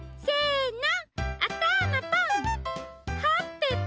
せの！